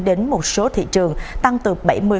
đến một số thị trường tăng từ bảy mươi